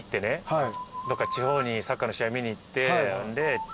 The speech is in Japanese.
どっか地方にサッカーの試合見に行って。